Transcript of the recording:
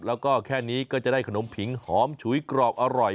แล้วก็แค่นี้ก็จะได้ขนมผิงหอมฉุยกรอบอร่อย